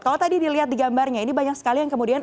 kalau tadi dilihat di gambarnya ini banyak sekali yang kemudian